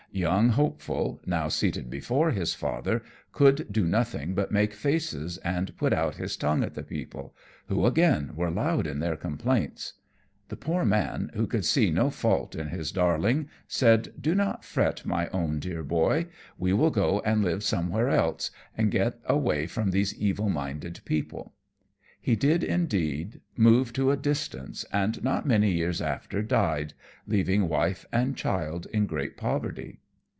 Young hopeful, now seated before his father, could do nothing but make faces and put out his tongue at the people, who again were loud in their complaints. The poor man, who could see no fault in his darling, said, "Do not fret, my own dear Boy. We will go and live somewhere else, and get away from these evil minded people." He did, indeed, move to a distance, and not many years after died, leaving wife and child in great poverty.